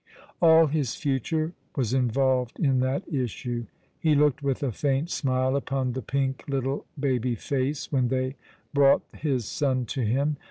All his future was involved in that issue. He looked with a faint smile upon the pink little baby face, when they brought his son to him.